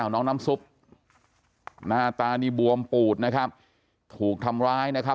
น้องน้ำซุปหน้าตานี่บวมปูดนะครับถูกทำร้ายนะครับ